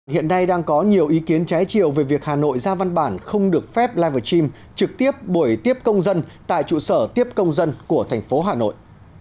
hiện nay đang có nhiều ý kiến trái chiều về việc hà nội ra văn bản không được phép live stream trực tiếp buổi tiếp công dân tại trụ sở tiếp công dân của thành phố hà nội